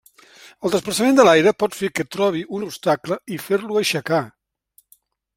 El desplaçament de l'aire pot fer que trobi un obstacle i fer-lo aixecar.